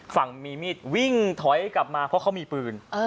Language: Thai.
ฝั่งมีมีดวิ่งถอยกลับมาเพราะเขามีปืน